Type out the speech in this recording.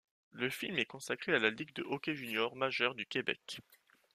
Le film est consacré à la Ligue de hockey junior majeur du Québec.